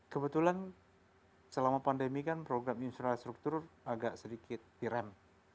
kebetulan selama pandemi kan program infrastruktur agak sedikit direm